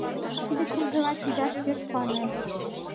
Тиде кружева пидаш пеш куанем.